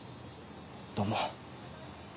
どうも。